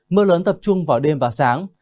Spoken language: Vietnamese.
mưa lớn tập trung vào đêm và sáng